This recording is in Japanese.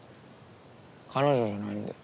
彼女じゃないんで。